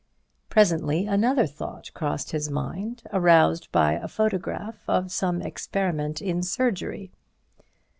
Presently another thought crossed his mind, aroused by a photograph of some experiment in surgery.